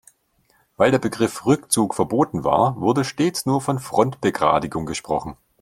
Weil der Begriff Rückzug verboten war, wurde stets nur von Frontbegradigung gesprochen.